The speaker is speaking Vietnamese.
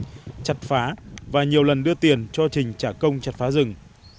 phạm xuân trình chặt phá và nhiều lần đưa tiền cho trình trả công chặt phá rừng